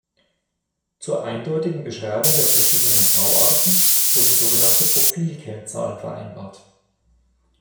Zur eindeutigen Beschreibung der verschiedenen Bauarten wurden sogenannte Profil-Kennzahlen vereinbart.